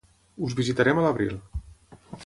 Us visitarem a l'abril.